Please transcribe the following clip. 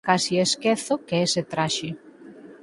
Case esquezo que ese traxe